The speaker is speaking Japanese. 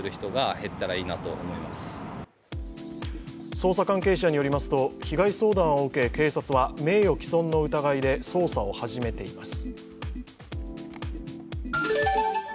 捜査関係者によりますと、被害相談を受け、警察は名誉毀損の疑いで捜査を始めています。